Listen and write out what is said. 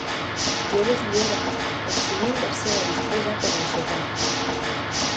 Jeeves hi era, exhibint la seva disfressa per al sopar.